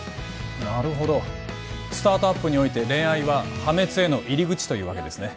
なるほどスタートアップにおいて恋愛は破滅への入り口というわけですね